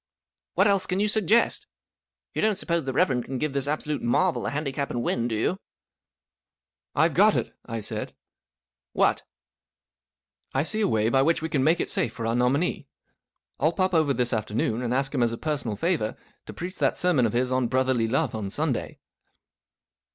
~" What else can you suggest ? You don't suppose the Rev. can give this absolute marvel a handicap and win, do you ?"." I've got it !" I said. 44 What ?"/ 44 I see a way by which we can make it safe for our nominee. I'll pop over this afternoon, and ask him as a personal favour, to preach that sermon of his* on Brotherly Love on Sunday."